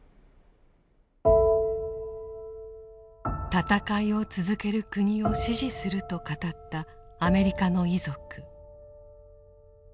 「戦いを続ける国を支持する」と語ったアメリカの遺族。